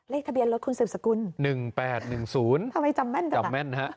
อ๋อเลขทะเบียนรถคุณสืบสกุลหนึ่งแปดหนึ่งศูนย์ทำไมจำแม่นจำแม่นฮะ